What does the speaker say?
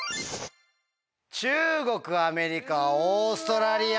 中国アメリカオーストラリア。